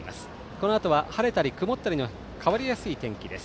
このあとは晴れたり曇ったり変わりやすい天気です。